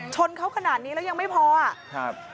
ชนเขาขนาดนี้แล้วยังไม่พออ่ะครับ